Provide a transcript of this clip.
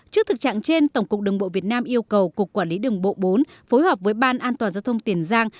trước thực trạng trên tổng cục đường bộ việt nam yêu cầu cục quản lý đường bộ bốn phối hợp với ban an toàn giao thông tiền giang